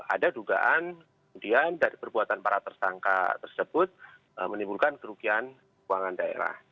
ada dugaan kemudian dari perbuatan para tersangka tersebut menimbulkan kerugian keuangan daerah